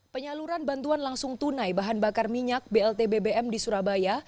penyaluran bantuan langsung tunai bahan bakar minyak blt bbm di surabaya